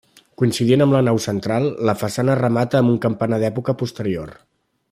Coincidint amb la nau central, la façana es remata amb un campanar d'època posterior.